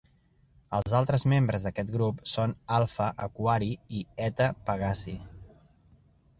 Els altres membres d'aquest grup són Alpha Aquarii i Eta Pegasi.